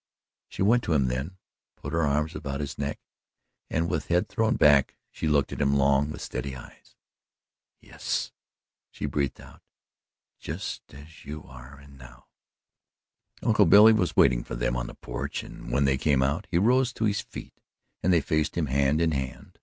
She went to him then, put her arms about his neck, and with head thrown back she looked at him long with steady eyes. "Yes," she breathed out "just as you are and now." Uncle Billy was waiting for them on the porch and when they came out, he rose to his feet and they faced him, hand in hand.